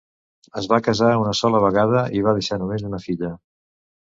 Es va casar una sola vegada i va deixar només una filla.